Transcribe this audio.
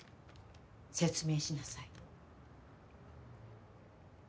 説明しなさい。